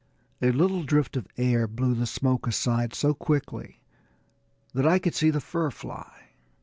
A little drift of air blew the smoke aside so quickly that I could see the fur fly.